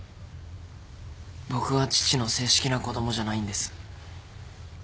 僕は父の正式な子供じゃないんです。